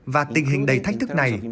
và tình hình đầy thách thức này